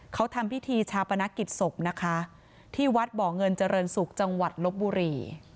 เขาทำพิธีชาปนกิจศพนะคะที่วัดบ่อเงินเจริญศุกร์จังหวัดลบบุรี